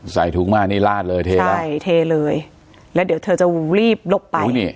ใส่ถุงมานี่ลาดเลยเทเลยใช่เทเลยแล้วเดี๋ยวเธอจะรีบหลบไป